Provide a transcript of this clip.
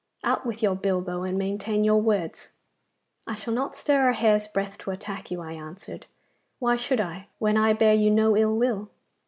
Out with your bilbo and maintain your words.' 'I shall not stir a hair's breadth to attack you,' I answered. 'Why should I, when I bear you no ill will?